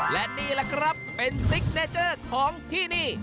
และนี่แหละครับเป็นซิกเนเจอร์ของที่นี่